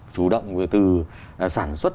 chủ động về từ sản xuất